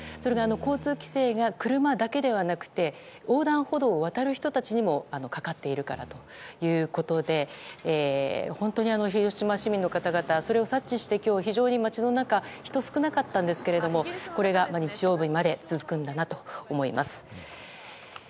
交通規制が車だけではなくて横断歩道を渡る人たちにもかかっているからということで本当に、広島市民の方々それを察知して、今日は街の中は人が少なかったんですがこれが日曜日まで続くんだなと思います。